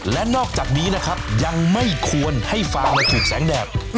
และนอกจากนี้นะครับยังไม่ควรให้ฟางถูกแสงแดด